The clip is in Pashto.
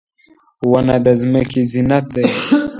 • ونه د ځمکې زینت دی.